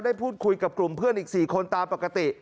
ได้พูดคุยกับกลุ่มเพื่อนอีก๔คนตามปกติ